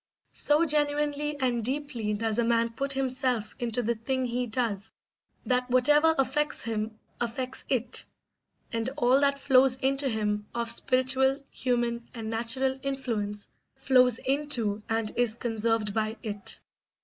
So genuinely and deeply does a man put himself into the thing he does that whatever affects him affects it, and all that flows into him of spiritual, human, and natural influence flows into and is conserved by it.